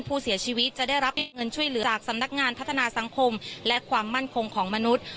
ผู้เสียชีวิตจะได้รับเงินช่วยเหลือจากสำนักงานพัฒนาสังคมและความมั่นคงของมนุษย์